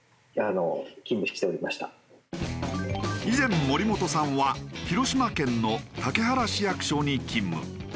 以前森本さんは広島県の竹原市役所に勤務。